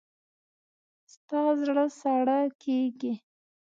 ستا زړه ساړه کېږي.